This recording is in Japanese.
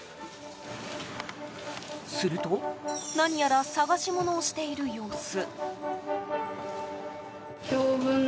すると、何やら探し物をしている様子。